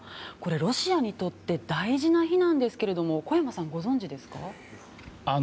ロシアにとって大事な日なんですけれども小山さん、ご存じですか？